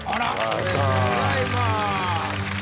おめでとうございます。